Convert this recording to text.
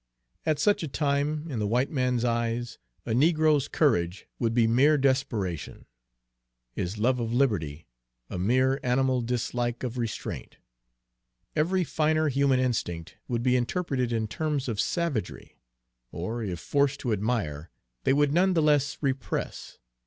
At such a time, in the white man's eyes, a negro's courage would be mere desperation; his love of liberty, a mere animal dislike of restraint. Every finer human instinct would be interpreted in terms of savagery. Or, if forced to admire, they would none the less repress.